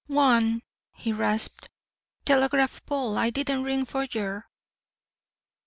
"G'wan," he rasped, "telegraph pole. I didn't ring for yer."